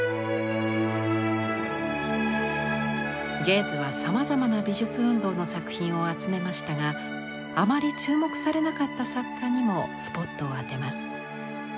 ゲーズはさまざまな美術運動の作品を集めましたがあまり注目されなかった作家にもスポットを当てます。